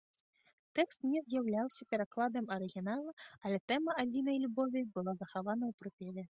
Тэкст не з'яўляўся перакладам арыгінала, але тэма адзінай любові была захавана ў прыпеве.